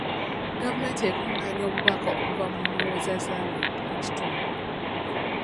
Gavumenti ekungaanya obubaka okuva mu ndowooza z'abantu mu kitundu.